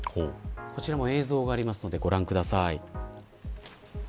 こちらも映像があるのでご覧ください。